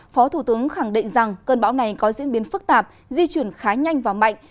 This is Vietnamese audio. phó thủ tướng khẳng định rằng cơn bão này có diễn biến phức tạp di chuyển khá nhanh và mạnh